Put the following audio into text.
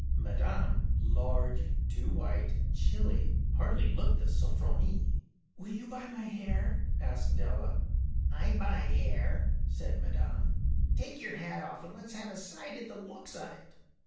Madame, large, too white, chilly, hardly looked the “Sofronie.” “Will you buy my hair?” asked Della. “I buy hair,” said Madame. “Take yer hat off and let’s have a sight at the looks of it.